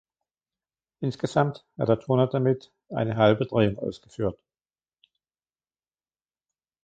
Insgesamt hat der Turner damit eine halbe Drehung ausgeführt.